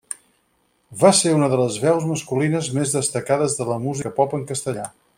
Va ser una de les veus masculines més destacades de la música pop en castellà.